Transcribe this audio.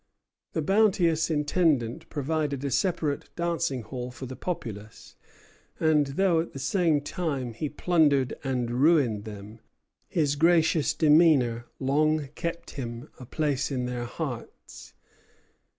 The bounteous Intendant provided a separate dancing hall for the populace; and, though at the same time he plundered and ruined them, his gracious demeanor long kept him a place in their hearts.